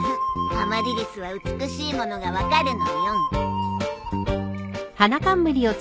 アマリリスは美しいものが分かるのよ。